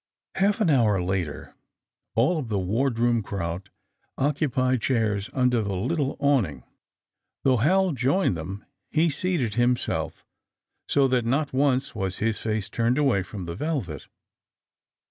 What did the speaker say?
Half an hour later all of the ward room crowd occupied chairs under the little awning. Though Hal joined them he seated himself so that not once was his face turned away from the ^^ Velvet."